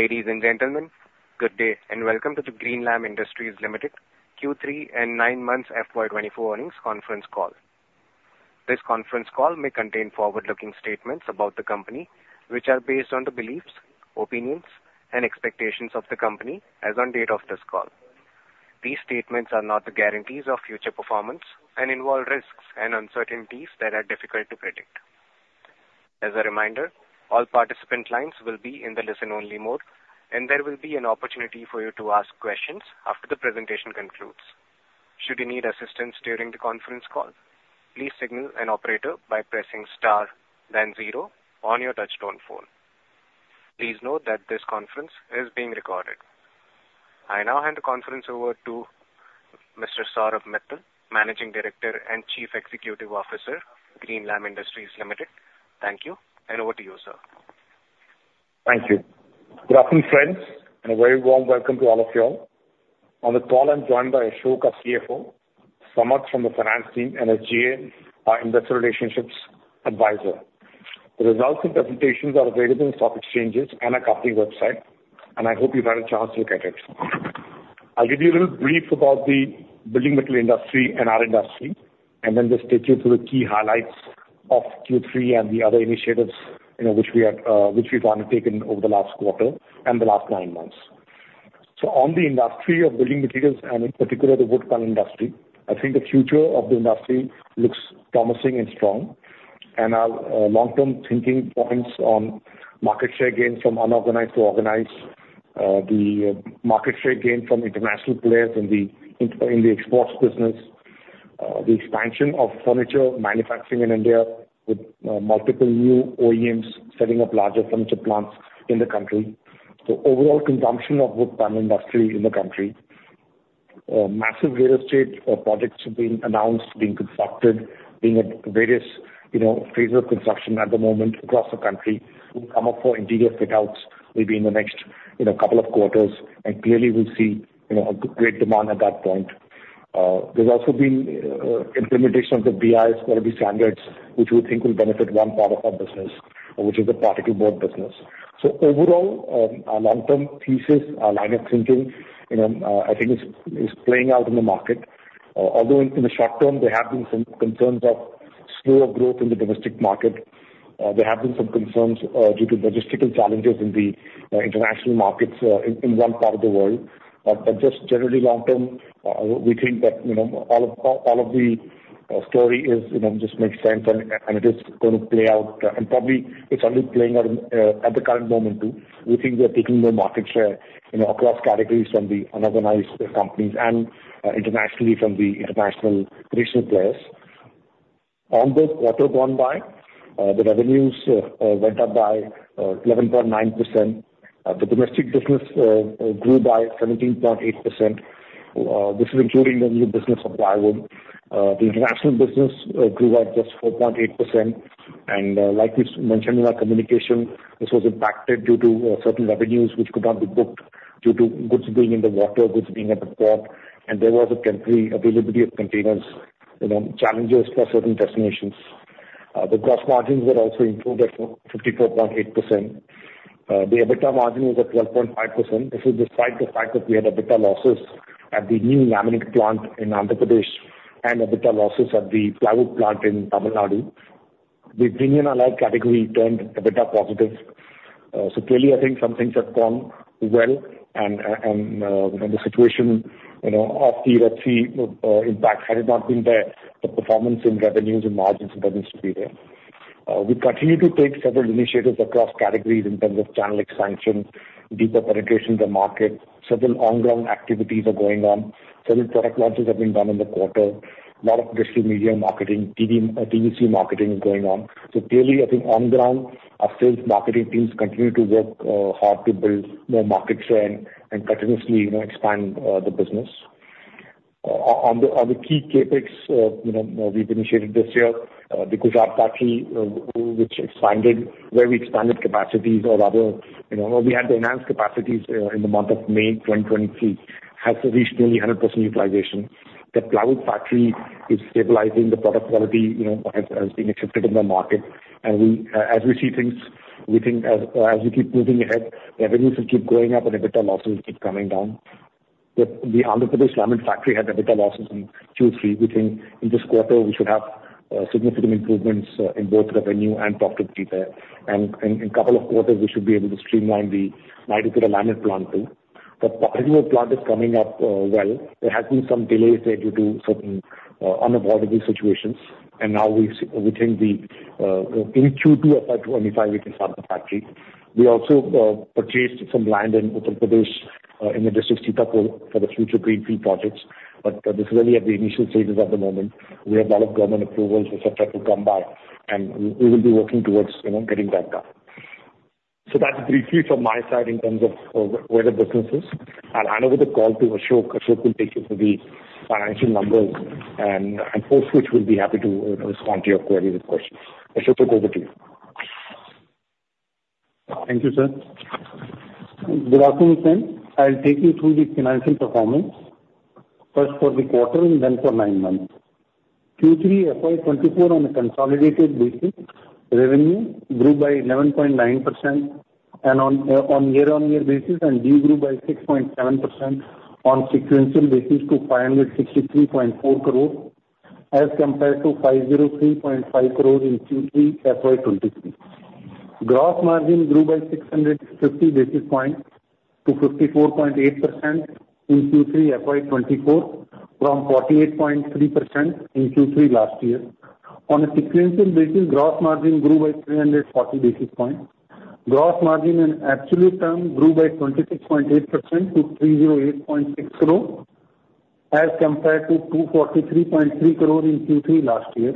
Ladies and gentlemen, good day, and welcome to the Greenlam Industries Limited Q3 and nine months FY24 earnings conference call. This conference call may contain forward-looking statements about the company, which are based on the beliefs, opinions, and expectations of the company as on date of this call. These statements are not the guarantees of future performance and involve risks and uncertainties that are difficult to predict. As a reminder, all participant lines will be in the listen-only mode, and there will be an opportunity for you to ask questions after the presentation concludes. Should you need assistance during the conference call, please signal an operator by pressing star then zero on your touchtone phone. Please note that this conference is being recorded. I now hand the conference over to Mr. Saurabh Mittal, Managing Director and Chief Executive Officer, Greenlam Industries Limited. Thank you, and over to you, sir. Thank you. Good afternoon, friends, and a very warm welcome to all of you all. On the call, I'm joined by Ashok, our CFO, Saurabh from the finance team, and SGA, our investor relationships advisor. The results and presentations are available in stock exchanges and our company website, and I hope you've had a chance to look at it. I'll give you a little brief about the building material industry and our industry, and then just take you through the key highlights of Q3 and the other initiatives, you know, which we have, which we've undertaken over the last quarter and the last nine months. So on the industry of building materials, and in particular, the wood panel industry, I think the future of the industry looks promising and strong. And our long-term thinking points on market share gains from unorganized to organized, the market share gain from international players in the exports business, the expansion of furniture manufacturing in India with multiple new OEMs setting up larger furniture plants in the country. So overall consumption of wood panel industry in the country. Massive real estate projects have been announced, being constructed, being at various, you know, phase of construction at the moment across the country, will come up for interior fit outs maybe in the next, you know, couple of quarters, and clearly we'll see, you know, a great demand at that point. There's also been implementation of the BIS quality standards, which we think will benefit one part of our business, which is the particle board business. So overall, our long-term thesis, our line of thinking, you know, I think is playing out in the market. Although in the short term, there have been some concerns of slower growth in the domestic market, there have been some concerns due to logistical challenges in the international markets in one part of the world. But just generally long term, we think that, you know, all of the story is, you know, just makes sense, and it is gonna play out, and probably it's only playing out at the current moment, too. We think we are taking more market share, you know, across categories from the unorganized companies and internationally from the international traditional players. On the quarter gone by, the revenues went up by 11.9%. The domestic business grew by 17.8%. This is including the new business of plywood. The international business grew by just 4.8%. And, like we mentioned in our communication, this was impacted due to certain revenues which could not be booked due to goods being in the water, goods being at the port, and there was a temporary availability of containers, you know, challenges for certain destinations. The gross margins were also improved at 54.8%. The EBITDA margin was at 12.5%. This is despite the fact that we had EBITDA losses at the new laminate plant in Andhra Pradesh and EBITDA losses at the plywood plant in Tamil Nadu. The veneer allied category turned EBITDA positive. So clearly, I think some things have gone well, and, when the situation, you know, of the Red Sea, impact had it not been there, the performance in revenues and margins wouldn't be there. We continue to take several initiatives across categories in terms of channel expansion, deeper penetration in the market. Several on-ground activities are going on. Several product launches have been done in the quarter. Lot of digital media marketing, TV, TVC marketing is going on. So clearly, I think on the ground, our sales marketing teams continue to work, hard to build more market share and, continuously, you know, expand, the business. On the key CapEx, you know, we've initiated this year, the Gujarat factory, which expanded, where we expanded capacities or rather, you know, we had to enhance capacities, in the month of May 2023, has reached nearly 100% utilization. The plywood factory is stabilizing. The product quality, you know, has been accepted in the market. And we, as we see things, we think, as we keep moving ahead, revenues will keep going up and EBITDA losses keep coming down. The Andhra Pradesh laminate factory had EBITDA losses in Q3. We think in this quarter we should have significant improvements in both revenue and profit EBITDA. And in a couple of quarters, we should be able to streamline the Naidupeta laminate plant too. The particle plant is coming up well. There has been some delays there due to certain, unavoidable situations, and now we think the, in Q2 of 2025, we can start the factory. We also, purchased some land in Uttar Pradesh, in the district of Sitapur for the future greenfield projects, but this is really at the initial stages at the moment. We have a lot of government approvals, et cetera, to come by, and we, we will be working towards, you know, getting that done. So that's briefly from my side in terms of, of where the business is. I'll hand over the call to Ashok. Ashok will take you through the financial numbers and, and post which we'll be happy to, respond to your query and questions. Ashok, over to you. Thank you, sir. Good afternoon, friends. I'll take you through the financial performance first for the quarter and then for nine months. Q3 FY24 on a consolidated basis, revenue grew by 11.9% and on year-on-year basis, and de-grew by 6.7% on sequential basis to 563.4 crore, as compared to 503.5 crore in Q3 FY23. Gross margin grew by 650 basis points to 54.8% in Q3 FY24, from 48.3% in Q3 last year. On a sequential basis, gross margin grew by 340 basis points. Gross margin in absolute term grew by 26.8% to 308.6 crore, as compared to 243.3 crore in Q3 last year.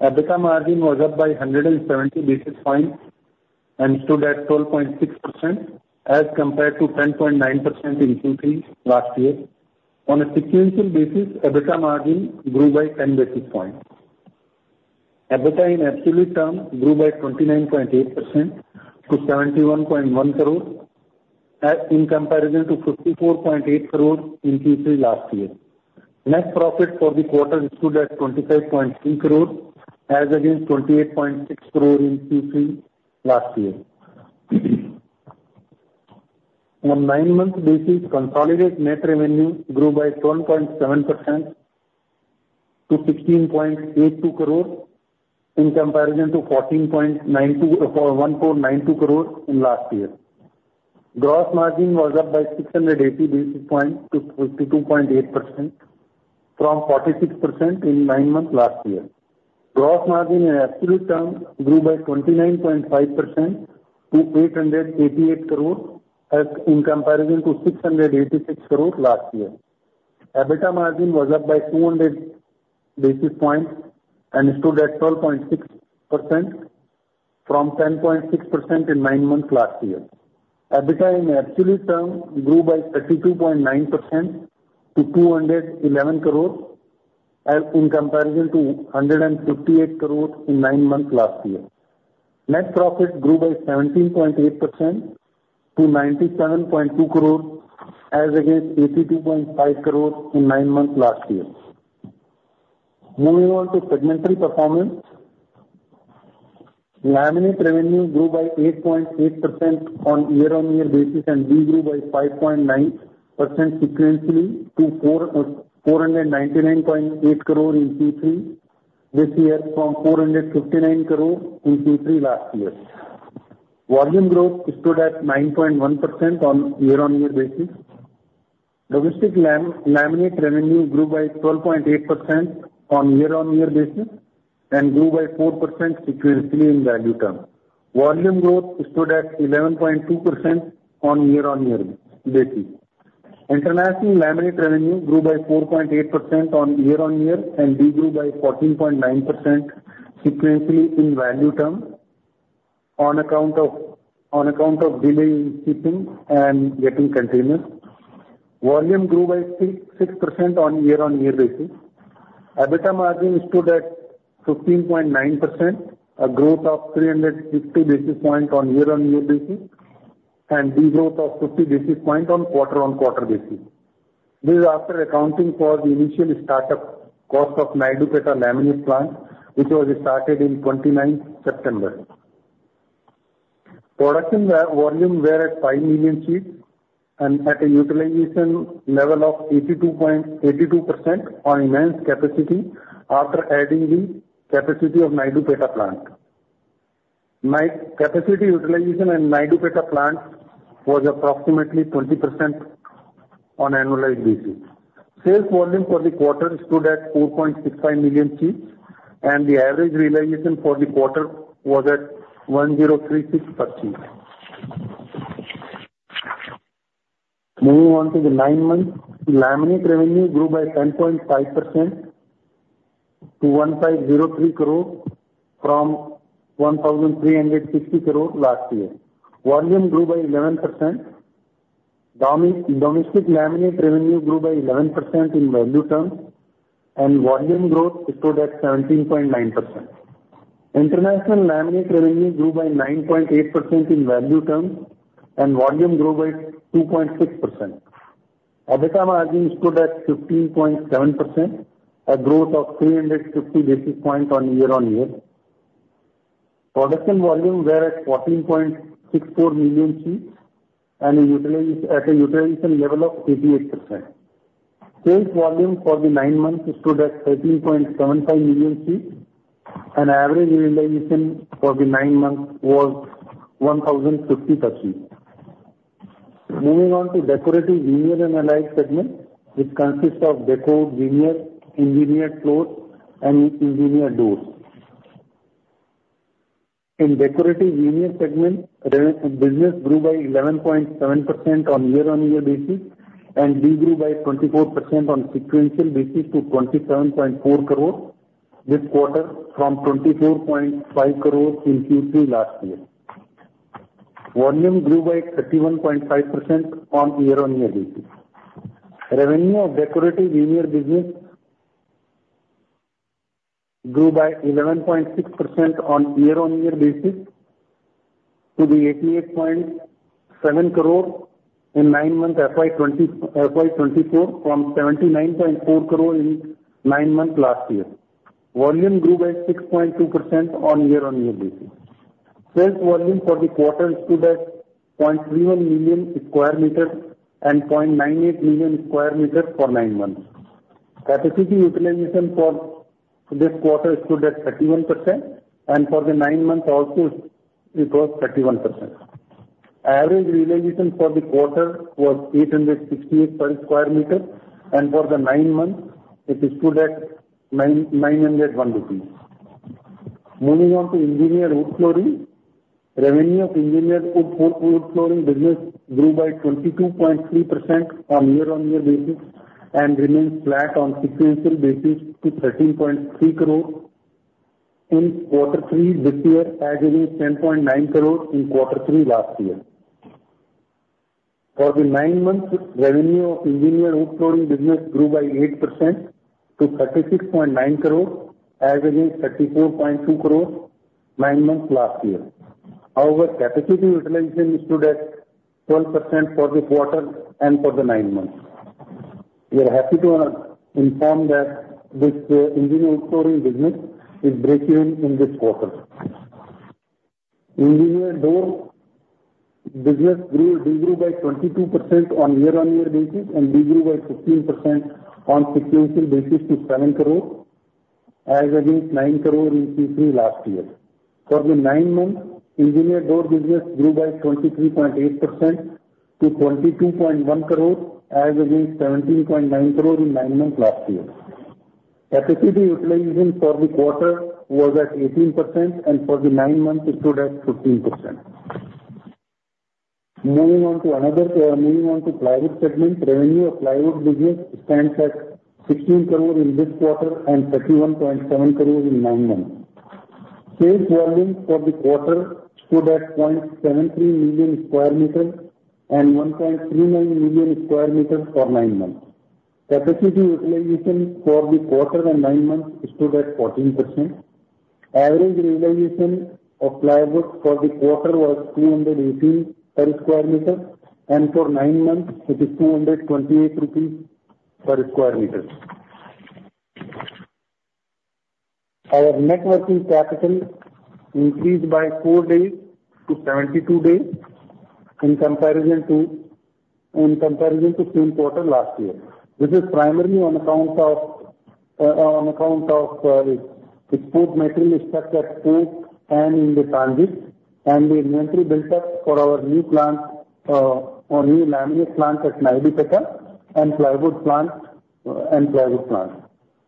EBITDA margin was up by 170 basis points, and stood at 12.6%, as compared to 10.9% in Q3 last year. On a sequential basis, EBITDA margin grew by 10 basis points. EBITDA in absolute terms grew by 29.8% to 71.1 crores, as in comparison to 54.8 crores in Q3 last year. Net profit for the quarter stood at 25.3 crores, as against 28.6 crores in Q3 last year. On nine-month basis, consolidated net revenue grew by 12.7% to 16.82 crores, in comparison to 14.92 crores in last year. Gross margin was up by 680 basis points to 52.8%, from 46% in nine months last year. Gross margin in absolute terms grew by 29.5% to INR 888 crores, as in comparison to 686 crores last year. EBITDA margin was up by 200 basis points and stood at 12.6% from 10.6% in nine months last year. EBITDA in absolute terms grew by 32.9% to 211 crores, as in comparison to 158 crores in nine months last year. Net profit grew by 17.8% to 97.2 crores, as against 82.5 crores in nine months last year. Moving on to segmental performance. Laminate revenue grew by 8.8% year-over-year, and de-grew by 5.9% sequentially to 499.8 crores in Q3 this year, from 459 crores in Q3 last year. Volume growth stood at 9.1% year-over-year. Domestic laminate revenue grew by 12.8% year-over-year, and grew by 4% sequentially in value term. Volume growth stood at 11.2% year-over-year. International laminate revenue grew by 4.8% year-over-year, and de-grew by 14.9% sequentially in value term, on account of delay in shipping and getting containers. Volume grew by 6.6% year-over-year. EBITDA margin stood at 15.9%, a growth of 360 basis points on year-on-year basis, and degrowth of 50 basis points on quarter-on-quarter basis. This is after accounting for the initial startup cost of Naidupeta laminate plant, which was started in September 29. Production volume were at 5,000,000 sheets and at a utilization level of 82.82% on enhanced capacity after adding the capacity of Naidupeta plant. Capacity utilization in Naidupeta plant was approximately 20% on annualized basis. Sales volume for the quarter stood at 4,650,000 sheets, and the average realization for the quarter was at 1,036 per sheet. Moving on to the nine months, the laminate revenue grew by 10.5% to 1,503 crores from 1,360 crores last year. Volume grew by 11%. Domestic laminate revenue grew by 11% in value terms, and volume growth stood at 17.9%. International laminate revenue grew by 9.8% in value terms, and volume grew by 2.6%. EBITDA margin stood at 15.7%, a growth of 350 basis points on year-on-year. Production volume were at 14,640,000 sheets and at a utilization level of 88%. Sales volume for the nine months stood at 13.,750,000 sheets, and average realization for the nine months was 1,050 per sheet. Moving on to decorative veneer and allied segment, which consists of decor veneer, engineered floors, and engineered doors. In Decorative Veneer segment, business grew by 11.7% on year-over-year basis, and de-grew by 24% on sequential basis to 27.4 crore this quarter, from 24.5 crore in Q3 last year. Volume grew by 31.5% on year-over-year basis. Revenue of Decorative Veneer business grew by 11.6% on year-over-year basis to 88.7 crore in nine months FY 2024, from 79.4 crore in nine months last year. Volume grew by 6.2% on year-over-year basis. Sales volume for the quarter stood at 310,000 sq m and 980,000 sq m for nine months. Capacity utilization for this quarter stood at 31%, and for the nine months also, it was 31%. Average realization for the quarter was 868 per square meter, and for the nine months, it stood at 991 rupees. Moving on to engineered wood flooring. Revenue of engineered wood flooring business grew by 22.3% on year-on-year basis and remained flat on sequential basis to 13.3 crore in quarter three this year, as against 10.9 crore in quarter three last year. For the nine months, revenue of engineered wood flooring business grew by 8% to INR 36.9 crore as against 34.2 crore nine months last year. Our capacity utilization stood at 12% for this quarter and for the nine months. We are happy to inform that this engineered wood flooring business is breakeven in this quarter. Engineered door business grew by 22% on year-on-year basis, and grew by 15% on sequential basis to INR 7 crore as against INR 9 crore in Q3 last year. For the nine months, engineered door business grew by 23.8% to 22.1 crore as against 17.9 crore in nine months last year. Capacity utilization for the quarter was at 18%, and for the nine months it stood at 15%. Moving on to another, moving on to plywood segment. Revenue of plywood business stands at INR 16 crore in this quarter and 31.7 crore in nine months. Sales volume for the quarter stood at 730,000 sq m and 1,390,000 sq m for nine months. Capacity utilization for the quarter and nine months stood at 14%. Average realization of plywood for the quarter was 218 per square meter, and for nine months it is 228 rupees per square meter. Our net working capital increased by 4 days to 72 days in comparison to, in comparison to same quarter last year. This is primarily on account of, on account of, the stock material stuck at port and in the transit, and the inventory built up for our new plant, our new laminate plant at Naidupeta and plywood plant, and plywood plant.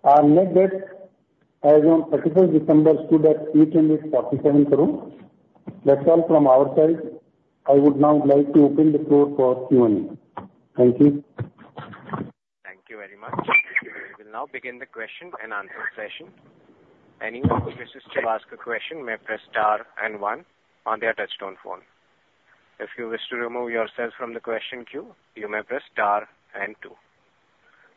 Our net debt as on December stood at 847 crore. That's all from our side. I would now like to open the floor for Q&A. Thank you. Thank you very much. We will now begin the question and answer session. Anyone who wishes to ask a question may press star and one on their touchtone phone. If you wish to remove yourself from the question queue, you may press star and two.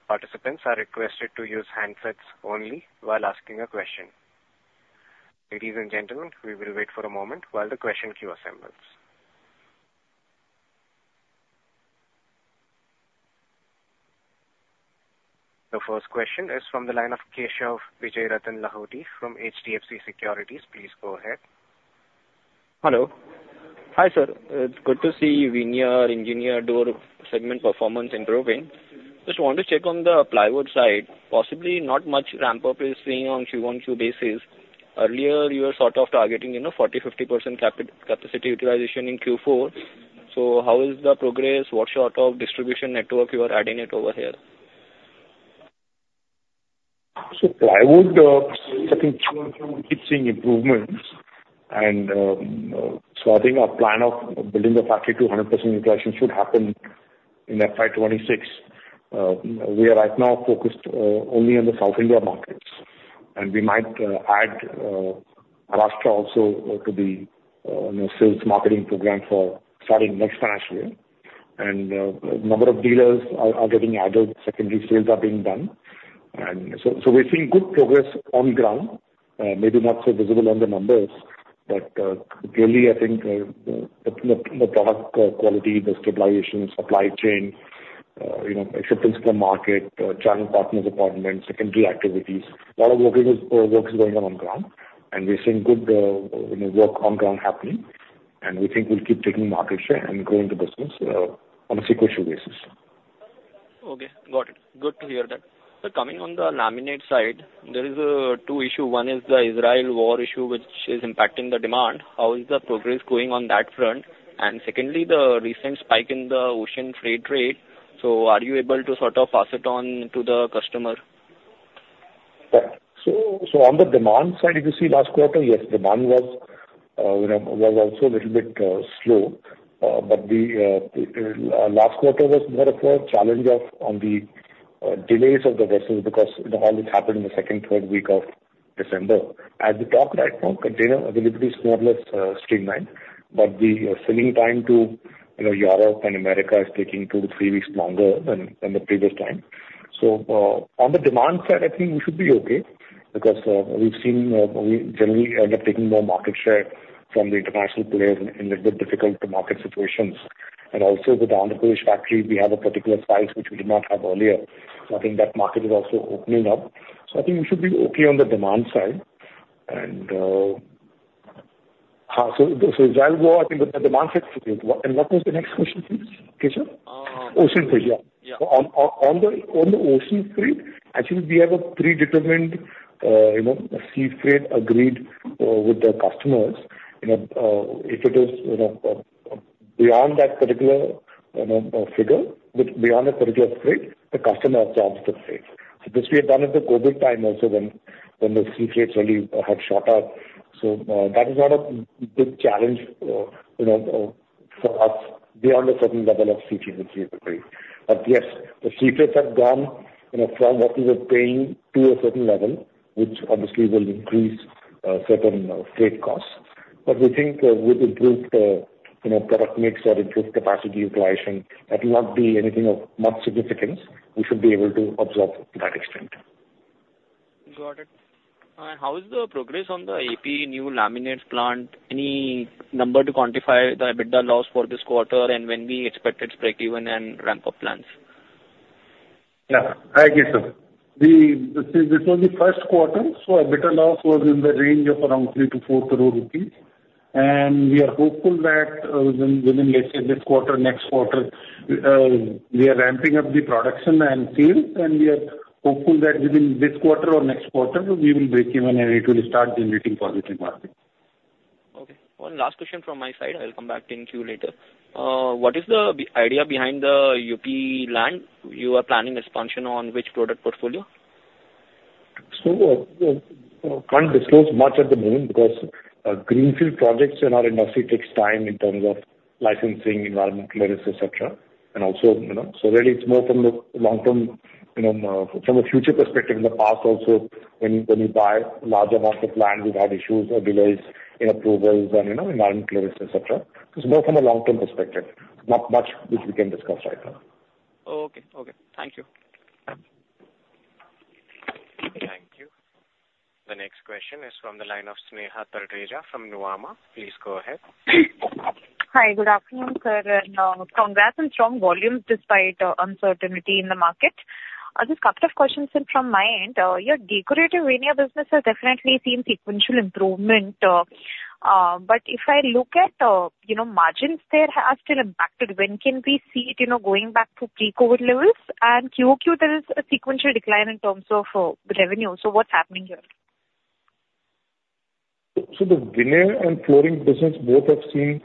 Participants are requested to use handsets only while asking a question. Ladies and gentlemen, we will wait for a moment while the question queue assembles. The first question is from the line of Keshav Lahoti from HDFC Securities. Please go ahead. Hello. Hi, sir. It's good to see veneer, engineered door segment performance improving. Just want to check on the plywood side. Possibly not much ramp up is seen on QoQ basis. Earlier, you were sort of targeting, you know, 40%-50% capacity utilization in Q4. So how is the progress? What sort of distribution network you are adding it over here? So plywood, I think we keep seeing improvements. And so I think our plan of building the factory to 100% utilization should happen in FY 2026. We are right now focused only on the South India markets, and we might add Maharashtra also to the, you know, sales marketing program for starting next financial year. And number of dealers are getting added, secondary sales are being done. And so we're seeing good progress on ground, maybe not so visible on the numbers, but clearly, I think the product quality, the stabilization, supply chain, you know, acceptance to the market, channel partners appointments, secondary activities, a lot of work is work is going on on ground, and we're seeing good, you know, work on ground happening. We think we'll keep taking market share and growing the business, on a sequential basis. Okay, got it. Good to hear that. So coming on the laminate side, there are two issues. One is the Israel war issue, which is impacting the demand. How is the progress going on that front? And secondly, the recent spike in the ocean freight rate, so are you able to sort of pass it on to the customer? Yeah. So on the demand side, if you see last quarter, yes, demand was, you know, was also a little bit slow. But the last quarter was more of a challenge of, on the, delays of the vessels, because all this happened in the second, third week of December. As we talk right now, container availability is more or less streamlined, but the sailing time to, you know, Europe and America is taking 2-3 weeks longer than the previous time.... So, on the demand side, I think we should be okay, because we've seen, we generally end up taking more market share from the international players in the difficult market situations. And also, with the Andhra Pradesh factory, we have a particular size which we did not have earlier, so I think that market is also opening up. So I think we should be okay on the demand side. And, so, so as I go, I think the demand side is okay. And what was the next question, please, Keshav? Uh. Ocean freight, yeah. Yeah. On the ocean freight, I think we have a predetermined, you know, sea freight agreed with the customers. You know, if it is, you know, beyond that particular, you know, figure, which beyond a particular freight, the customer absorbs the freight. So this we have done in the COVID time also when the sea freights really had shot up. So, that is not a big challenge, you know, for us, beyond a certain level of sea freight. But yes, the sea freights have gone, you know, from what we were paying to a certain level, which obviously will increase certain freight costs. But we think with improved, you know, product mix or improved capacity utilization, that will not be anything of much significance. We should be able to absorb to that extent. Got it. How is the progress on the AP new laminates plant? Any number to quantify the EBITDA loss for this quarter, and when we expected breakeven and ramp-up plans? Yeah. Thank you, sir. This was the first quarter, so EBITDA loss was in the range of around 3-4 crore rupees. And we are hopeful that, within let's say this quarter, next quarter, we are ramping up the production and sales, and we are hopeful that within this quarter or next quarter, we will break even, and it will start generating positive margins. Okay. One last question from my side. I will come back in queue later. What is the idea behind the UP land? You are planning expansion on which product portfolio? So, can't disclose much at the moment because Greenfield projects in our industry takes time in terms of licensing, environmental clearance, et cetera. Also, you know, really it's more from the long-term, you know, from a future perspective. In the past also, when you buy large amounts of land, we've had issues or delays in approvals and, you know, environmental clearance, et cetera. It's more from a long-term perspective, not much which we can discuss right now. Okay. Okay, thank you. Thank you. The next question is from the line of Sneha Talreja from Nuvama. Please go ahead. Hi. Good afternoon, sir, and congrats on strong volumes despite uncertainty in the market. Just couple of questions from my end. Your decorative veneer business has definitely seen sequential improvement, but if I look at, you know, margins, they are still impacted. When can we see it, you know, going back to pre-COVID levels? And QoQ, there is a sequential decline in terms of the revenue. So what's happening here? So the veneer and flooring business both have seen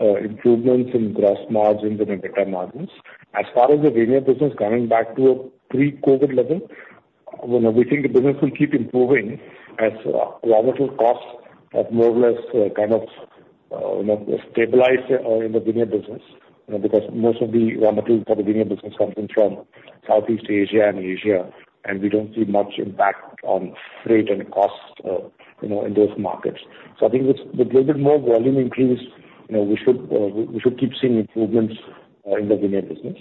improvements in gross margins and EBITDA margins. As far as the veneer business coming back to a pre-COVID level, you know, we think the business will keep improving as raw material costs have more or less kind of you know stabilized in the veneer business. You know, because most of the raw materials for the veneer business comes in from Southeast Asia and Asia, and we don't see much impact on freight and cost you know in those markets. So I think with little bit more volume increase, you know, we should we should keep seeing improvements in the veneer business.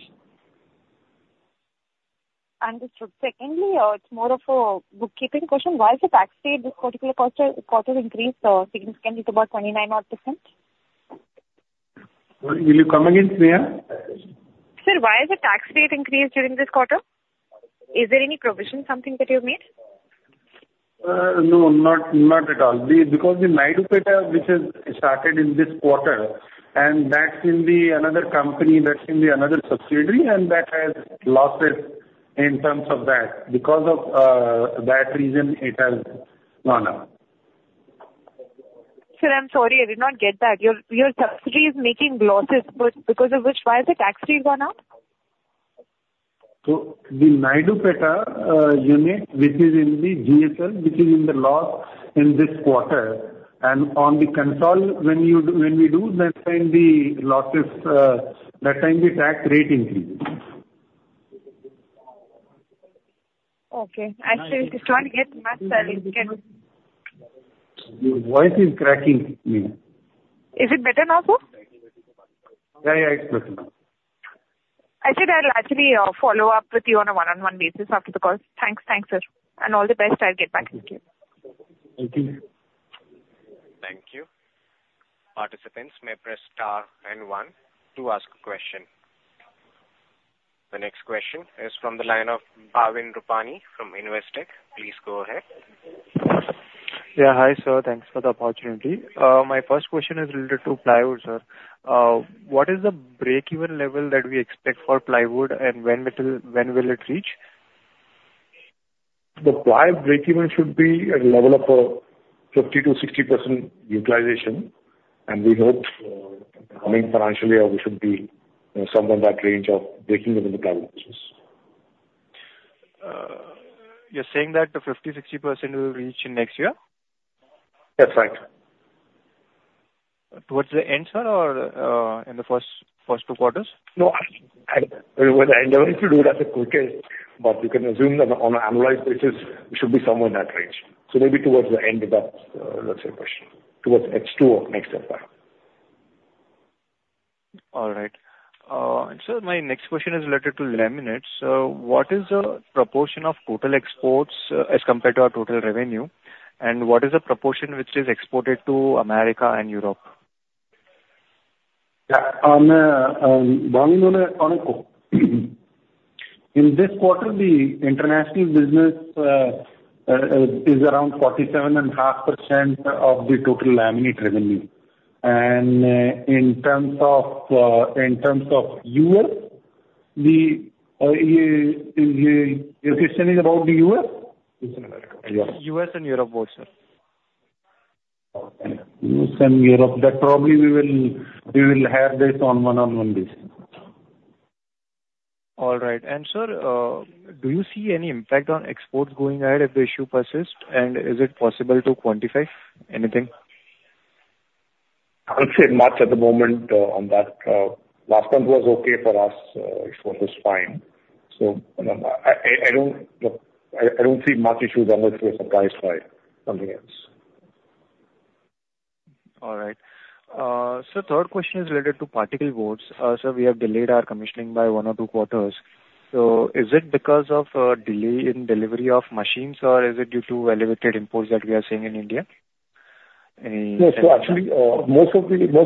Understood. Secondly, it's more of a bookkeeping question. Why is the tax rate this particular quarter increased significantly to about 29 odd percent? Will you come again, Sneha? Sir, why is the tax rate increased during this quarter? Is there any provision, something that you've made? No, not at all. Because the Naidupeta, which has started in this quarter, and that's in the other company, that's in the other subsidiary, and that has losses in terms of that. Because of that reason, it has gone up. Sir, I'm sorry, I did not get that. Your, your subsidiary is making losses, but because of which, why has the tax rate gone up? So the Naidupeta unit, which is in the GSL, which is in the loss in this quarter, and on the consol, when you do, when we do, that time the losses, that time the tax rate increases. Okay. I'm still just trying to get the math, sir. Your voice is cracking, Sneha. Is it better now, sir? Yeah, yeah, it's better now. I said I'll actually follow up with you on a one-on-one basis after the call. Thanks. Thanks, sir, and all the best. I'll get back to you. Thank you. Thank you. Participants may press star and one to ask a question. The next question is from the line of Bhavin Rupani from Investec. Please go ahead. Yeah. Hi, sir. Thanks for the opportunity. My first question is related to plywood, sir. What is the breakeven level that we expect for plywood, and when will it reach? The plywood breakeven should be at a level of 50%-60% utilization, and we hope, coming financially, we should be, you know, somewhere in that range of breakeven in the plywood business. You're saying that the 50%-60% we will reach in next year? That's right. Towards the end, sir, or, in the first, first two quarters? No, well, I never to do that quicker, but you can assume that on an annualized basis, we should be somewhere in that range. So maybe towards the end of that, let's say, question. Towards next two or next quarter.... All right. And so my next question is related to laminates. What is the proportion of total exports, as compared to our total revenue? And what is the proportion which is exported to America and Europe? Yeah, on laminates, in this quarter, the international business is around 47.5% of the total laminate revenue. In terms of U.S., your question is about the U.S.? U.S. and Europe both, sir. Okay. U.S. and Europe, that probably we will, we will have this on one-on-one basis. All right. And sir, do you see any impact on exports going ahead if the issue persists? And is it possible to quantify anything? I won't say much at the moment on that. Last month was okay for us. It was fine. So I don't, look, I don't see much issues unless we're surprised by something else. All right. So third question is related to particle board. So we have delayed our commissioning by one or two quarters. So is it because of delay in delivery of machines, or is it due to elevated imports that we are seeing in India? Any- No. So actually, most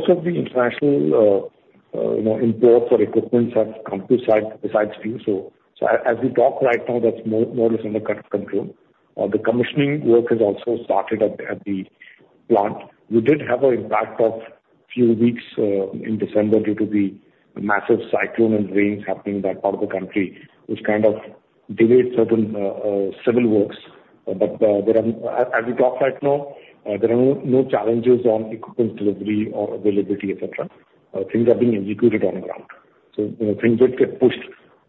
of the international, you know, imports for equipment have come to site, besides a few. So as we talk right now, that's more or less under kind of control. The commissioning work has also started at the plant. We did have an impact of a few weeks in December, due to the massive cyclone and rains happening in that part of the country, which kind of delayed certain civil works. But as we talk right now, there are no challenges on equipment delivery or availability, et cetera. Things are being executed on the ground. So, you know, things did get pushed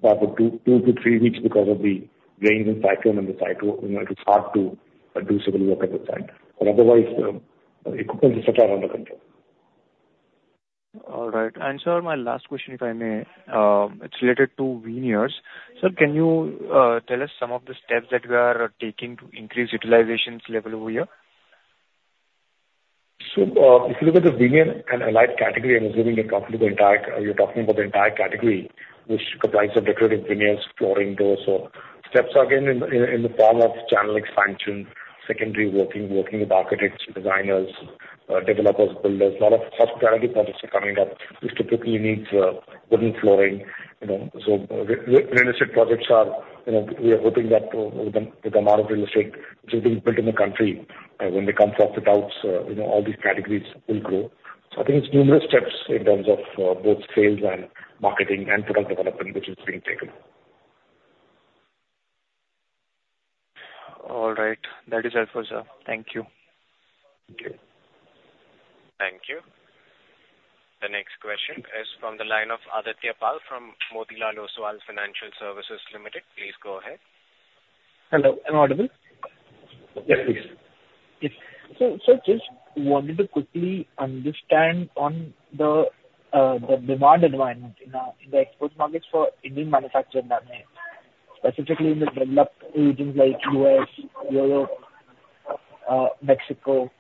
for two to three weeks because of the rains and cyclone on the site. You know, it was hard to do civil work at the site, but otherwise, equipment, et cetera, are under control. All right. And sir, my last question, if I may, it's related to veneers. Sir, can you tell us some of the steps that we are taking to increase utilizations level over here? So, if you look at the veneer and allied category, I'm assuming you're talking about the entire category, which comprises of decorative veneers, flooring, doors. Steps again, in the form of channel expansion, secondary working, working with architects, designers, developers, builders. A lot of hospitality projects are coming up, which typically needs wooden flooring, you know. So real estate projects are, you know, we are hoping that, with the amount of real estate which is being built in the country, when they come for fit outs, you know, all these categories will grow. So I think it's numerous steps in terms of both sales and marketing and product development, which is being taken. All right. That is all, sir. Thank you. Okay. Thank you. The next question is from the line of Aditya Pal, from Motilal Oswal Financial Services Limited. Please go ahead. Hello, am I audible? Yes, please. Yes. So, just wanted to quickly understand on the demand environment in the export markets for Indian manufacturer like Greenlam, specifically in the developed regions like U.S., Europe, Mexico.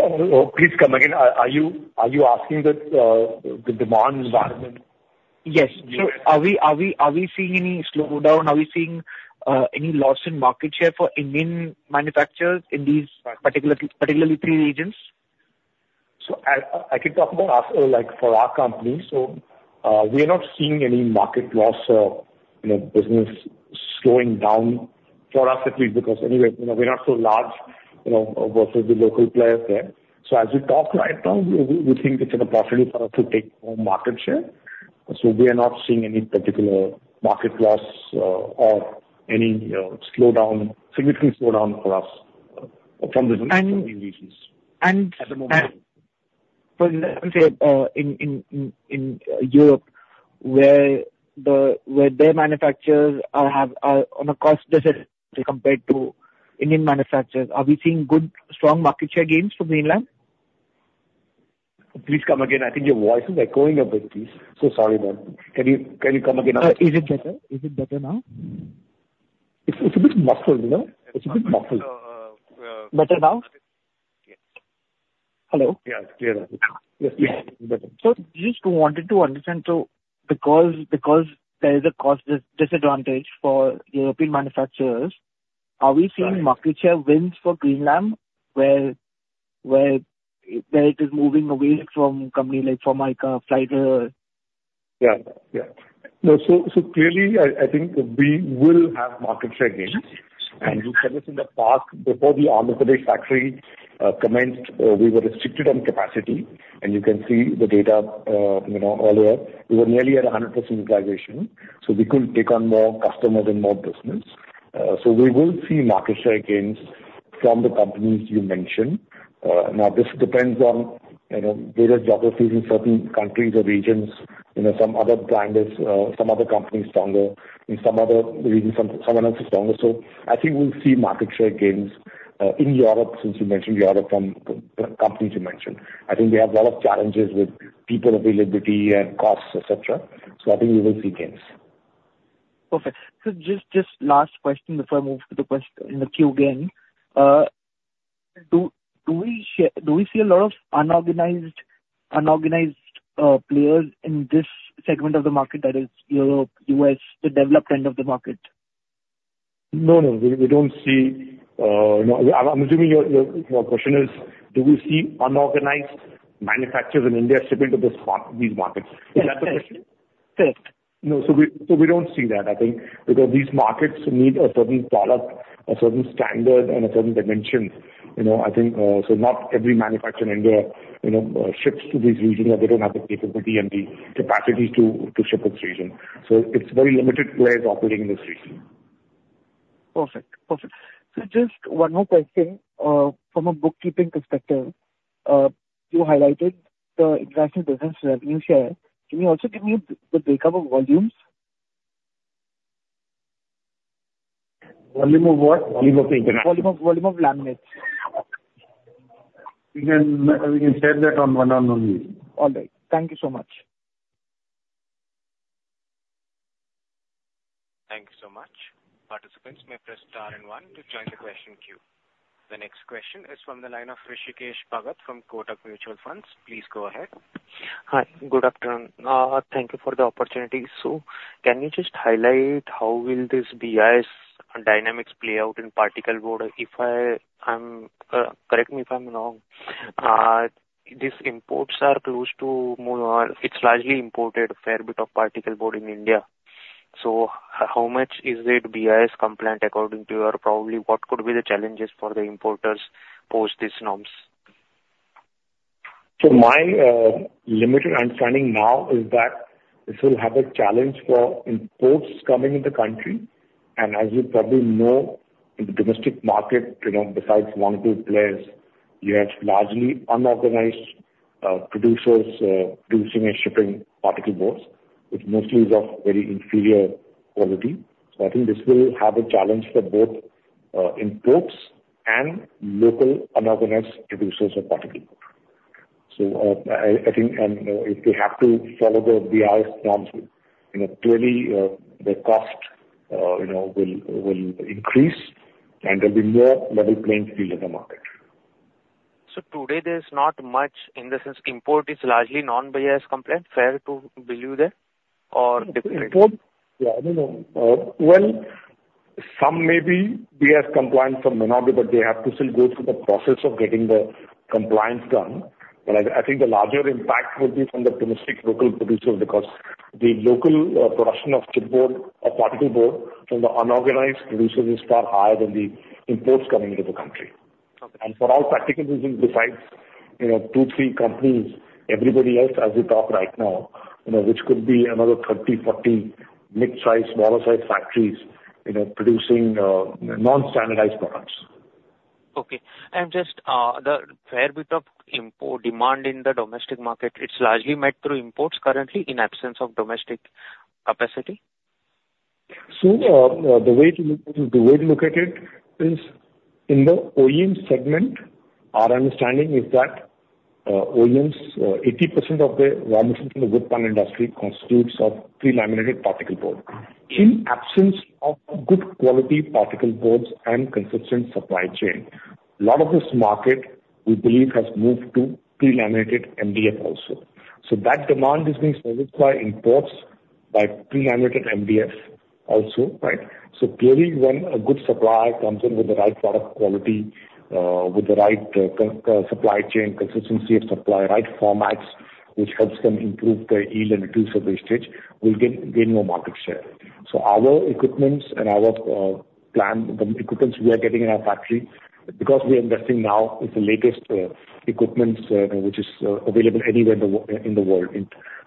Oh, please come again. Are you asking the demand environment? Yes. So are we seeing any slowdown? Are we seeing any loss in market share for Indian manufacturers in these particular, particularly three regions? I can talk about us, like for our company. We are not seeing any market loss or, you know, business slowing down, for us at least, because anyway, you know, we're not so large, you know, versus the local players there. So as we talk right now, we think it's an opportunity for us to take more market share. We are not seeing any particular market loss, or any slowdown, significant slowdown for us from the- And- regions at the moment. And, for let me say, in Europe, where their manufacturers are on a cost disadvantage compared to Indian manufacturers, are we seeing good, strong market share gains from Greenlam? Please come again. I think your voice is echoing a bit, please. So sorry about it. Can you, can you come again? Is it better? Is it better now? It's, it's a bit muffled, you know? It's a bit muffled. Better now? Yes. Hello? Yeah. Clear now. Yes, please, better. Just wanted to understand, because there is a cost disadvantage for European manufacturers- Right. Are we seeing market share wins for Greenlam where it is moving away from companies like Formica, Pfleiderer? Yeah, yeah. No, so, so clearly, I, I think we will have market share gains. Mm-hmm. You can see the past, before the Andhra factory commenced, we were restricted on capacity, and you can see the data, you know, earlier, we were nearly at 100% utilization, so we couldn't take on more customers and more business. So we will see market share gains from the companies you mentioned. Now this depends on, you know, various geographies in certain countries or regions, you know, some other players, some other companies stronger, in some other regions, someone else is stronger. So I think we'll see market share gains, in Europe, since you mentioned Europe, from the companies you mentioned. I think they have a lot of challenges with people availability and costs, et cetera, so I think we will see gains. ...Perfect. So just last question before I move to the question in the queue again. Do we share, do we see a lot of unorganized players in this segment of the market that is Europe, U.S., the developed end of the market? No, no, we don't see. I'm assuming your question is: Do we see unorganized manufacturers in India shipping to this mar- these markets? Yes. Is that the question? Correct. No. So we don't see that, I think, because these markets need a certain product, a certain standard, and a certain dimension. You know, I think, so not every manufacturer in India, you know, ships to these regions, or they don't have the capability and the capacity to ship to this region. So it's very limited players operating in this region. Perfect. Perfect. So just one more question, from a bookkeeping perspective. You highlighted the international business revenue share. Can you also give me the breakup of volumes? Volume of what? Volume of international. Volume of laminates. We can, we can share that on one-on-one meeting. All right. Thank you so much. Thank you so much. Participants may press star and one to join the question queue. The next question is from the line of Hrishikesh Bhagat from Kotak Mutual Funds. Please go ahead. Hi. Good afternoon. Thank you for the opportunity. So can you just highlight how will this BIS dynamics play out in particle board? Correct me if I'm wrong, these imports are close to more or it's largely imported fair bit of particle board in India. So how much is it BIS compliant, according to your... Probably, what could be the challenges for the importers post these norms? So my limited understanding now is that this will have a challenge for imports coming into the country. And as you probably know, in the domestic market, you know, besides one, two players, you have largely unorganized producers producing and shipping particle boards, which mostly is of very inferior quality. So I think this will have a challenge for both imports and local unorganized producers of particle board. So I think, and if they have to follow the BIS norms, you know, clearly the cost, you know, will increase, and there'll be more level playing field in the market. Today there's not much, in the sense import is largely non-BIS compliant, fair to believe that or different? Import, yeah, no, no. Well, some may be BIS compliant, some may not be, but they have to still go through the process of getting the compliance done. But I think the larger impact will be from the domestic local producers, because the local production of chipboard or particle board from the unorganized producers is far higher than the imports coming into the country. Okay. For all practical reasons, besides, you know, 2, 3 companies, everybody else as we talk right now, you know, which could be another 30, 40 mid-size, smaller size factories, you know, producing non-standardized products. Okay. And just, the fair bit of import demand in the domestic market, it's largely met through imports currently in absence of domestic capacity? So, the way to look at it is in the OEM segment, our understanding is that OEMs, 80% of the raw material in the wood panel industry constitutes of pre-laminated particle board. In absence of good quality particle boards and consistent supply chain, a lot of this market, we believe, has moved to pre-laminated MDF also. So that demand is being satisfied imports by pre-laminated MDF also, right? So clearly, when a good supply comes in with the right product quality, with the right supply chain consistency of supply, right formats, which helps them improve their yield and reduce wastage, we'll gain more market share. So our equipments and our equipments we are getting in our factory, because we are investing now with the latest equipments, which is available anywhere in the world.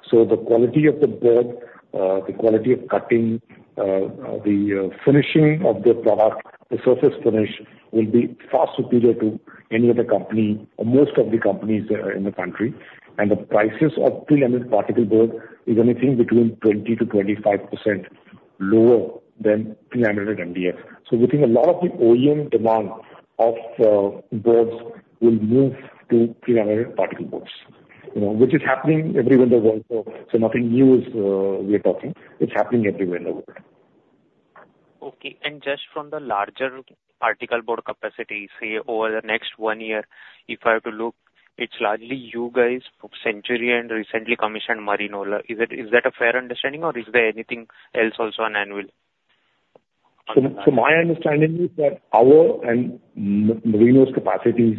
So the quality of the board, the quality of cutting, the finishing of the product, the surface finish, will be far superior to any other company or most of the companies in the country. And the prices of pre-laminated Particle Board is anything between 20%-25% lower than pre-laminated MDF. So we think a lot of the OEM demand of boards will move to pre-laminated Particle Boards, you know, which is happening everywhere in the world. So, so nothing new is we are talking. It's happening everywhere in the world. Okay. Just from the larger particle board capacity, say, over the next one year, if I have to look, it's largely you guys, Century, and recently commissioned Merino. Is that, is that a fair understanding or is there anything else also on anvil? So, my understanding is that our and Merino's capacities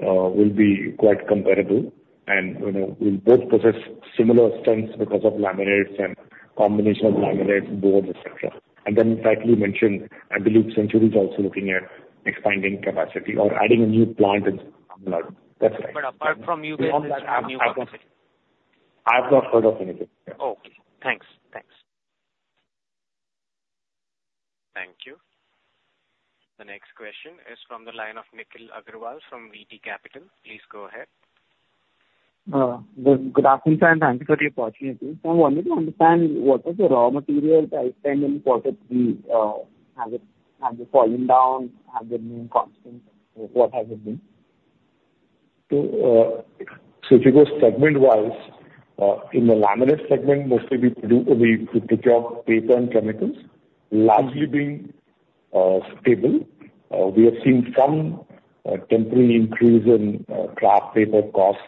will be quite comparable, and, you know, we both possess similar strengths because of laminates and combination of laminates, boards, et cetera. And then, rightly mentioned, I believe Century is also looking at expanding capacity or adding a new plant in... That's right. Apart from you guys, any new capacity? I've not heard of anything. Okay. Thanks. Thanks. Thank you. The next question is from the line of Nikhil Agrawal from VT Capital. Please go ahead. Good afternoon, sir, and thank you for the opportunity. So I wanted to understand, what are the raw material price trend in quarter three? Has it fallen down? Has it been constant? What has it been? So, so if you go segment-wise, in the laminate segment, mostly we do, we take care of paper and chemicals, largely being stable. We have seen some temporary increase in kraft paper costs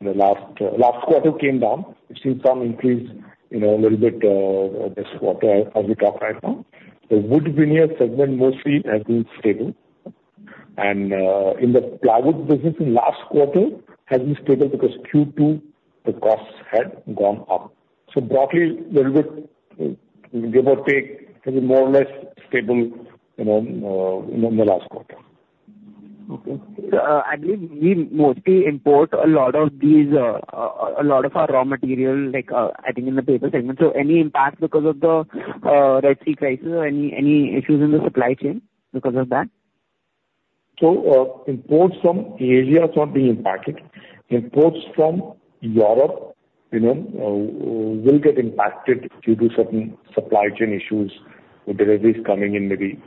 in the last last quarter came down. We've seen some increase, you know, a little bit this quarter as we talk right now. The wood veneer segment mostly has been stable. And, in the plywood business in last quarter has been stable because Q2, the costs had gone up. So broadly, little bit, give or take, has been more or less stable, you know, in the last quarter. Okay. So, I believe we mostly import a lot of these, a lot of our raw material, like, I think in the paper segment. So any impact because of the Red Sea crisis or any issues in the supply chain because of that? Imports from Asia is not being impacted. Imports from Europe, you know, will get impacted due to certain supply chain issues, with deliveries coming in maybe,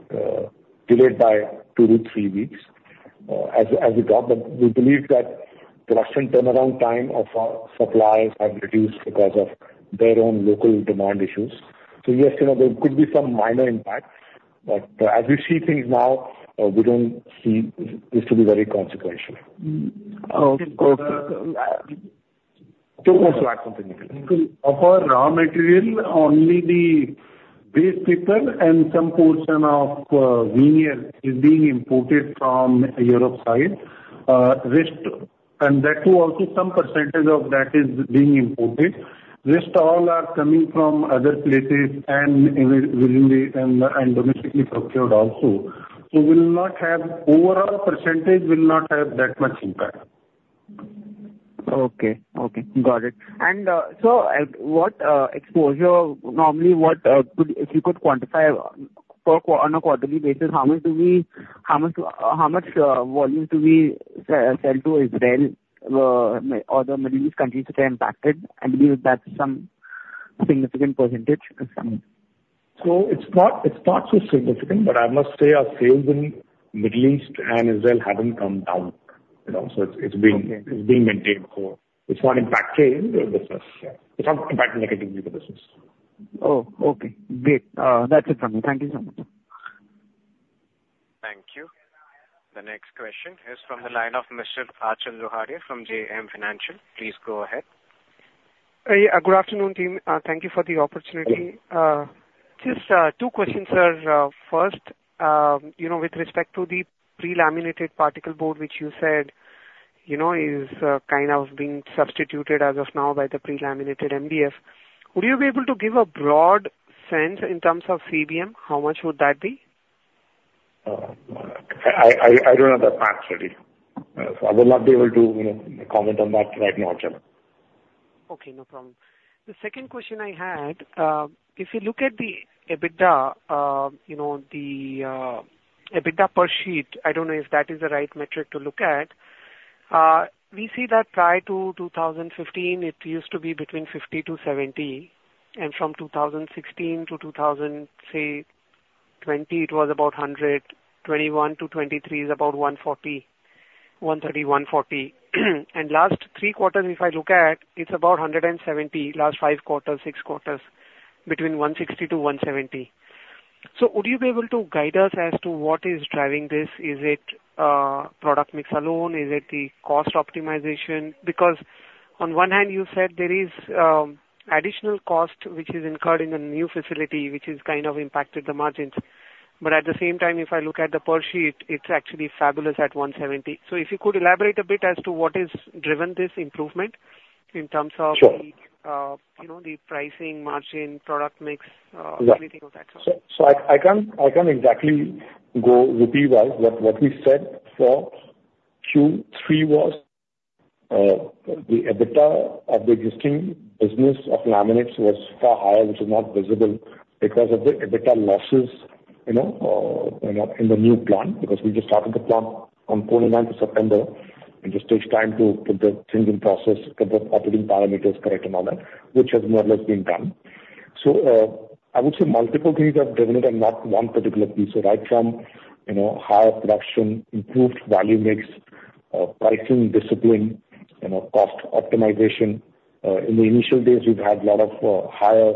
delayed by 2-3 weeks. As we talk, but we believe that production turnaround time of our suppliers have reduced because of their own local demand issues. So yes, you know, there could be some minor impacts, but as we see things now, we don't see this to be very consequential. Mm. Okay. So go ahead. Of our raw material, only the base paper and some portion of veneer is being imported from Europe side. Rest, and that too also, some percentage of that is being imported. Rest all are coming from other places and within the domestically procured also. So we will not have... Overall percentage will not have that much impact. Okay. Okay, got it. And so, what exposure, normally what could, if you could quantify for on a quarterly basis, how much volume do we sell to Israel or the Middle East countries that are impacted? I believe that's some significant percentage or something. So it's not, it's not so significant, but I must say our sales in Middle East and Israel haven't come down. You know, so it's, it's being, it's being maintained whole. It's not impacting the business. Yeah. It's not impacting negatively the business. Oh, okay. Great. That's it from me. Thank you so much. Thank you. The next question is from the line of Mr. Achal Lohade from JM Financial. Please go ahead. Yeah, good afternoon, team. Thank you for the opportunity. Just two questions, sir. First, you know, with respect to the pre-laminated particle board, which you said, you know, is kind of being substituted as of now by the pre-laminated MDF. Would you be able to give a broad sense in terms of CBM, how much would that be? I don't have the facts ready. So I will not be able to, you know, comment on that right now, Achal. Okay, no problem. The second question I had, if you look at the EBITDA, you know, the EBITDA per sheet, I don't know if that is the right metric to look at. We see that prior to 2015, it used to be between 50-70, and from 2016 to 2020, it was about 100, 2021-2023 is about 140, 130, 140. And last three quarters, if I look at, it's about 170, last five quarters, six quarters, between 160-170. So would you be able to guide us as to what is driving this? Is it product mix alone? Is it the cost optimization? Because on one hand, you said there is additional cost which is incurred in the new facility, which has kind of impacted the margins. But at the same time, if I look at the per sheet, it's actually fabulous at 170. So if you could elaborate a bit as to what is driven this improvement in terms of- Sure. You know, the pricing, margin, product mix, anything of that sort. So I can't exactly go rupee-wise. What we said for Q3 was the EBITDA of the existing business of laminates was far higher, which is not visible because of the EBITDA losses, you know, in the new plant. Because we just started the plant on 29 September, it just takes time to put the things in process, get the operating parameters correct and all that, which has more or less been done. So I would say multiple things have driven it and not one particular piece. So right from, you know, higher production, improved value mix, pricing discipline, you know, cost optimization. In the initial days, we've had a lot of higher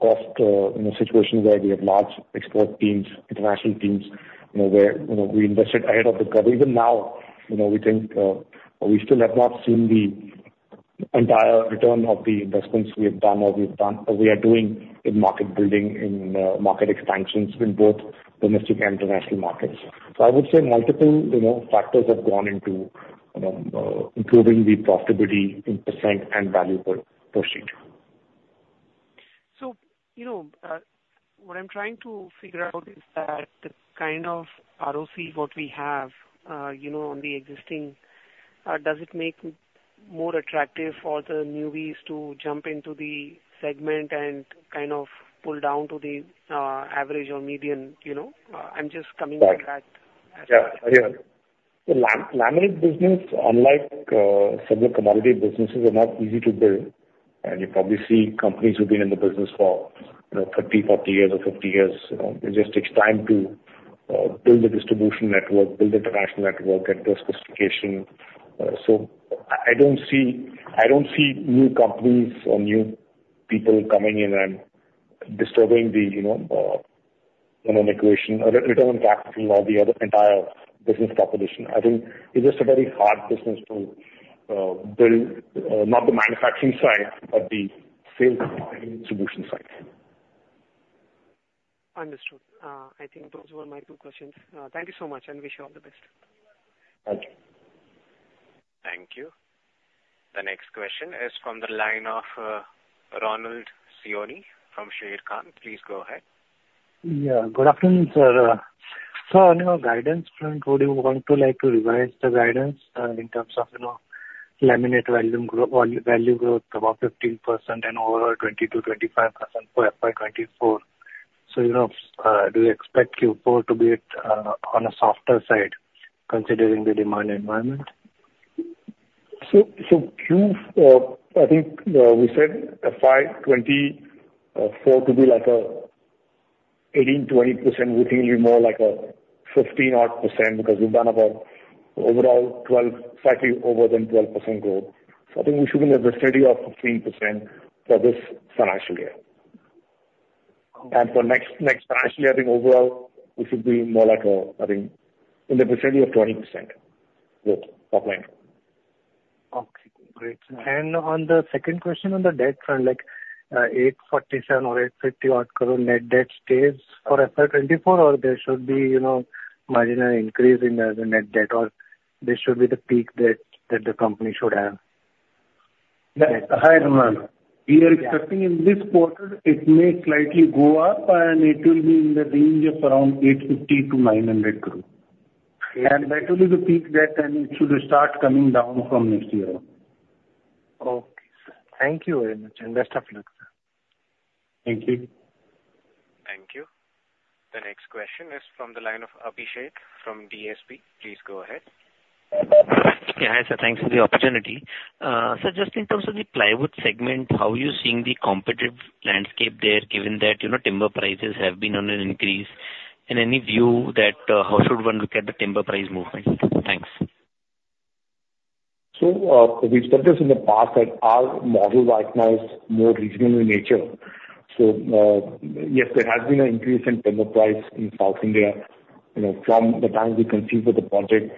cost, you know, situations where we had large export teams, international teams, you know, where we invested ahead of the curve. Even now, you know, we think, we still have not seen the entire return of the investments we have done or we are doing in market building, in market expansions in both domestic and international markets. So I would say multiple, you know, factors have gone into, you know, improving the profitability in percent and value per push it. So, you know, what I'm trying to figure out is that the kind of ROC what we have, you know, on the existing, does it make more attractive for the newbies to jump into the segment and kind of pull down to the average or median, you know? I'm just coming to that. Right. Yeah. Yeah. The laminate business, unlike several commodity businesses, are not easy to build. And you probably see companies who've been in the business for, you know, 30, 40 years or 50 years, you know, it just takes time to build the distribution network, build the international network and diversification. So I don't see, I don't see new companies or new people coming in and disturbing the, you know, in an equation, or return on capital or the other entire business population. I think it's just a very hard business to build, not the manufacturing side, but the sales and distribution side. Understood. I think those were my two questions. Thank you so much, and wish you all the best. Thank you. Thank you. The next question is from the line of, Ronald Siyoni from Sharekhan. Please go ahead. Yeah. Good afternoon, sir. So on your guidance front, would you want to like to revise the guidance, in terms of, you know, laminate volume value growth above 15% and overall 20%-25% for FY24? So, you know, do you expect Q4 to be at, on a softer side, considering the demand environment? So Q4, I think we said FY 2024 to be like 18-20%, we think it'll be more like 15 odd %, because we've done about overall 12, slightly over than 12% growth. So I think we should be in the vicinity of 15% for this financial year. And for next, next financial year, I think overall we should be more like, I think in the vicinity of 20% growth top line. Okay, great. And on the second question on the debt front, like, 847 crore or 850 crore odd net debt stays for FY24, or there should be, you know, marginal increase in the net debt, or this should be the peak debt that the company should have? Hi, Ronald. We are expecting in this quarter, it may slightly go up, and it will be in the range of around 850 crore-900 crore. Yeah. And that will be the peak debt, and it should start coming down from next year. Okay, sir. Thank you very much, and best of luck, sir. Thank you. Thank you. The next question is from the line of Abhishek from DSP. Please go ahead. Yeah, hi, sir. Thanks for the opportunity. So just in terms of the plywood segment, how are you seeing the competitive landscape there, given that, you know, timber prices have been on an increase? And any view that, how should one look at the timber price movement? Thanks. We've said this in the past, that our model right now is more regional in nature. So, yes, there has been an increase in timber price in South India, you know, from the time we conceived of the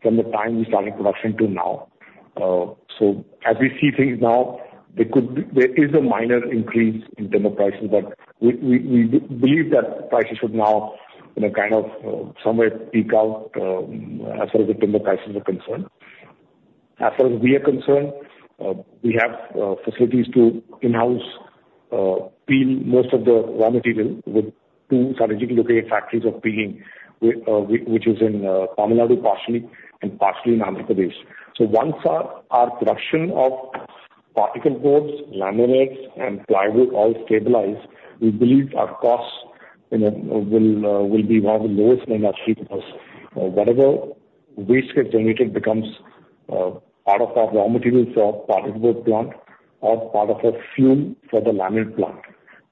project, from the time we started production to now. So as we see things now, there could be... There is a minor increase in timber prices, but we believe that prices should now, you know, kind of, somewhere peak out, as far as the timber prices are concerned. As far as we are concerned, we have facilities to in-house peel most of the raw material with two strategically located factories of peeling, which is in Tamil Nadu, partially, and partially in Andhra Pradesh. So once our production of particle boards, laminates, and plywood all stabilize, we believe our costs, you know, will be one of the lowest in industry, because whatever waste gets generated becomes part of our raw materials for particle board plant or part of a fuel for the laminate plant,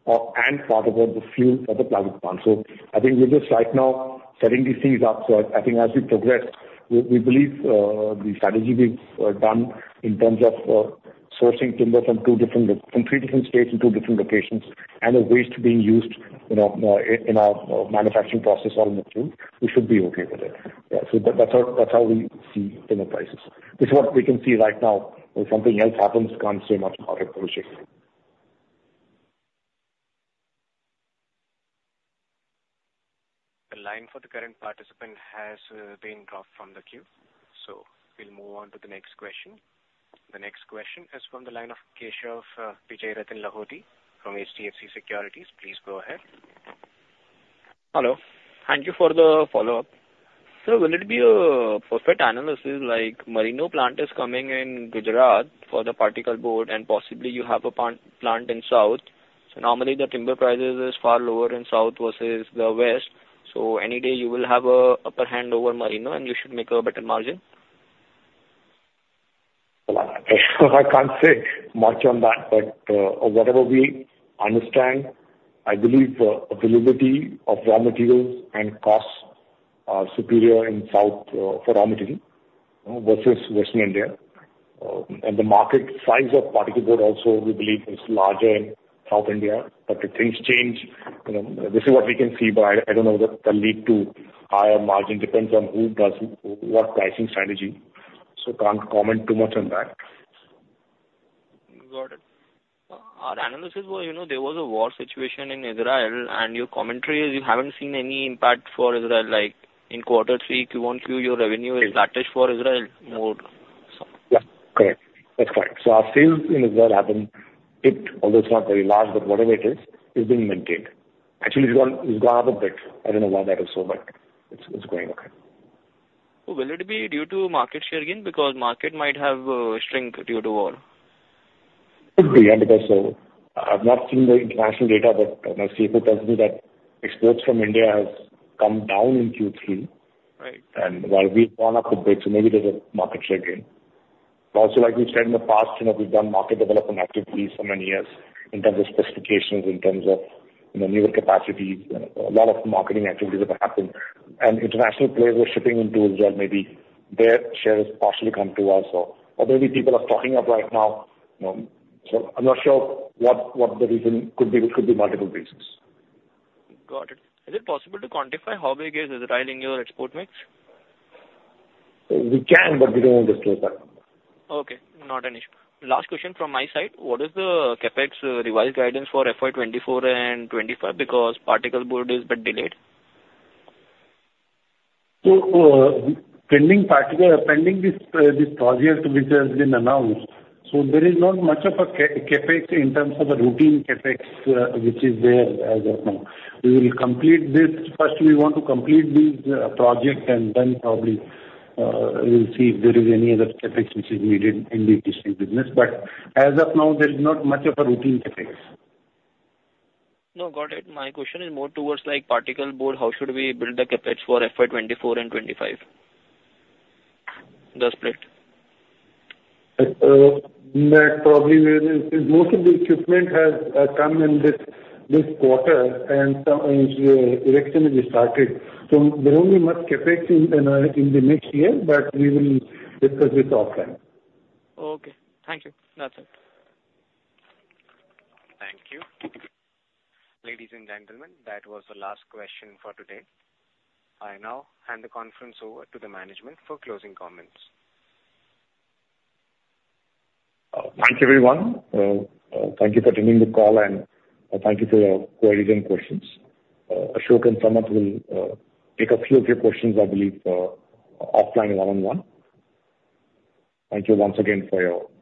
and part of the fuel for the plywood plant. So I think we're just right now setting these things up. So I think as we progress, we believe the strategy we've done in terms of sourcing timber from two different—from three different states in two different locations, and the waste being used, you know, in our manufacturing process or in the fuel, we should be okay with it. Yeah, so that, that's how, that's how we see timber prices. This is what we can see right now. If something else happens, can't say much about it, Abhishek. The line for the current participant has been dropped from the queue, so we'll move on to the next question. The next question is from the line of Keshav Lahoti from HDFC Securities. Please go ahead. Hello. Thank you for the follow-up. So will it be a perfect analysis, like, Merino plant is coming in Gujarat for the particle board, and possibly you have a planned plant in south. So normally, the timber prices is far lower in south versus the west, so any day you will have upper hand over Merino, and you should make a better margin? So I can't say much on that, but whatever we understand, I believe availability of raw materials and costs are superior in South, for raw material, versus Western India. And the market size of particle board also, we believe is larger in South India. But if things change, you know, this is what we can see, but I don't know that will lead to higher margin. Depends on who does what pricing strategy, so can't comment too much on that. Got it. Our analysis was, you know, there was a war situation in Israel, and your commentary is you haven't seen any impact for Israel, like in quarter three, Q1, Q, your revenue is flattish for Israel, more so. Yeah. Correct. That's correct. So our sales in Israel haven't dipped, although it's not very large, but whatever it is, it's been maintained. Actually, it's gone, it's gone up a bit. I don't know why that is so, but it's, it's going okay. Will it be due to market share gain? Because market might have shrink due to war. Could be, and because so I've not seen the international data, but my CFO tells me that exports from India has come down in Q3. Right. While we've gone up a bit, so maybe there's a market share gain.... Also, like we've said in the past, you know, we've done market development activities for many years in terms of specifications, in terms of, you know, newer capacities. A lot of marketing activities have happened, and international players were shipping into Israel, maybe their shares partially come to us, or, or maybe people are stocking up right now. So I'm not sure what, what the reason could be. It could be multiple reasons. Got it. Is it possible to quantify how big is Israel in your export mix? We can, but we don't want to disclose that. Okay, not an issue. Last question from my side: What is the CapEx revised guidance for FY 2024 and 2025, because Particle Board is a bit delayed? So, pending this, this project which has been announced, so there is not much of a CapEx in terms of the routine CapEx, which is there as of now. We will complete this. First, we want to complete this, project, and then probably, we'll see if there is any other CapEx which is needed in the core business. But as of now, there's not much of a routine CapEx. No, got it. My question is more towards like particle board. How should we build the CapEx for FY24 and 25? The split. That probably will, since most of the equipment has come in this quarter, and some erection has started, so there won't be much CapEx in the next year, but we will discuss this offline. Okay. Thank you. That's it. Thank you. Ladies and gentlemen, that was the last question for today. I now hand the conference over to the management for closing comments. Thank you, everyone. Thank you for attending the call, and thank you for your queries and questions. Ashok and Saurabh will take a few of your questions, I believe, offline, one-on-one. Thank you once again for your participation.